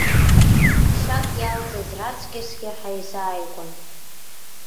Шьак иалҵыз раҵкьысгьы ҳаизааигәан.